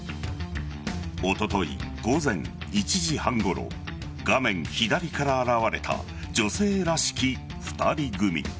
おととい午前１時半ごろ画面左から現れた女性らしき２人組。